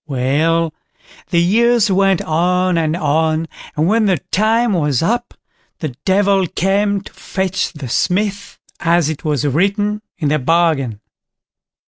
Well, the years went on and on, and when the time was up, the Devil came to fetch the Smith, as it was written in their bargain.